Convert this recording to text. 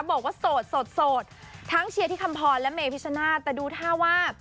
บอกว่าโสดทั้งเชียร์ที่คำพรและเมพิชนาธิแต่ดูท่าว่า